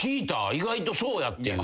意外とそうやっていう。